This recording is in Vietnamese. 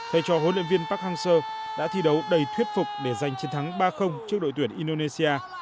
thầy trò huấn luyện viên park hang seo đã thi đấu đầy thuyết phục để giành chiến thắng ba trước đội tuyển indonesia